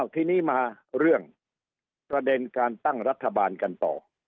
ทีนี้มาเรื่องประเด็นการตั้งรัฐบาลกันต่อ